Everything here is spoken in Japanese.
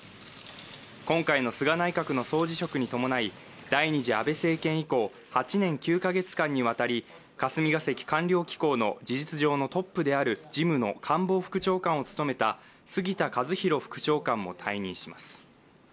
今回の菅内閣の総辞職に伴い第２次安倍政権以降８年９カ月間にわたり、霞ヶ関官僚機構の事実上のトップである事務の官房副長官を務めた杉田和博副長官も退任します。